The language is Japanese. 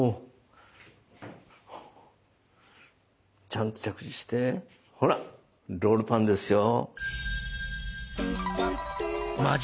ちゃんと着地してほらロールパンですよ。